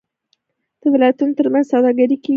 د ولایتونو ترمنځ سوداګري کیږي.